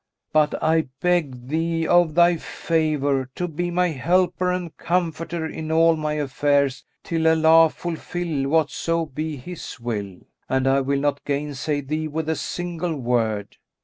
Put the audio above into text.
But I beg thee, of thy favour, to be my helper and comforter in all my affairs till Allah fulfil whatso be His will; and I will not gainsay thee with a single word."